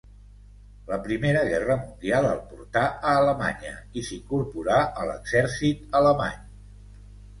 La primera guerra mundial el portà a Alemanya i s'incorporà a l'exèrcit alemany.